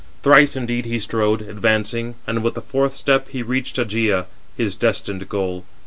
Thrice indeed he strode, advancing, and with the fourth step he reached Ægæ, his destined goal.